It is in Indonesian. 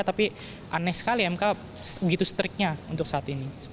tapi aneh sekali mk begitu striknya untuk saat ini